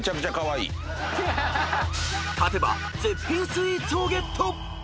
［勝てば絶品スイーツをゲット］